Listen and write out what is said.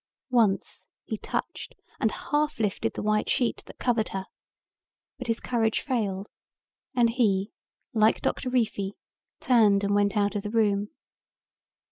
Once he touched and half lifted the white sheet that covered her, but his courage failed and he, like Doctor Reefy, turned and went out of the room.